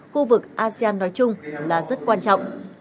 khu vực asean nói chung là rất quan trọng